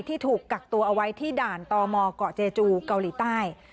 ที่ถูกกักตัวเอาไว้ที่ด่านตอมเกาหลีใต้